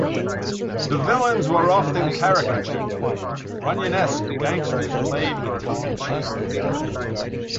The villains were often caricatured, Runyonesque gangsters played with tongue in cheek.